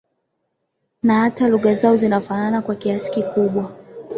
na hata lugha zao zinafanana kwa kiasi kikubwa